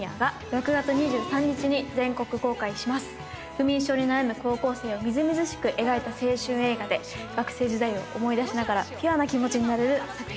不眠症に悩む高校生をみずみずしく描いた青春映画で学生時代を思い出しながらピュアな気持ちになれる作品になってます。